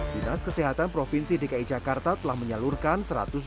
dinas kesehatan provinsi dki jakarta telah menyalurkan